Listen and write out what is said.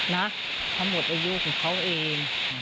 หมดอายุของเขาเอง